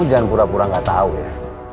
kamu jangan pura pura gak tau ya